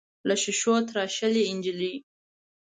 له ښیښو تراشلې نجلۍ.